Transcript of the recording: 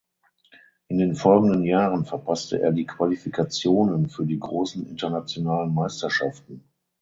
In den folgenden Jahren verpasste er die Qualifikationen für die großen internationalen Meisterschaften.